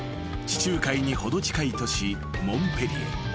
地中海に程近い都市モンペリエ］